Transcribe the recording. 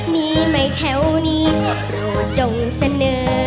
มีไหมแถวนี้เราจงเสนอ